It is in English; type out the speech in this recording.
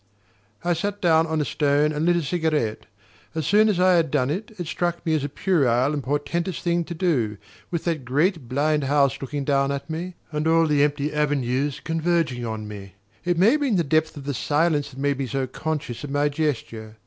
I sat down on a stone and lit a cigarette. As soon as I had done it, it struck me as a puerile and portentous thing to do, with that great blind house looking down at me, and all the empty avenues converging on me. It may have been the depth of the silence that made me so conscious of my gesture.